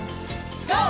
ＧＯ！